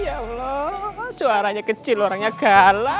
ya allah suaranya kecil orangnya gala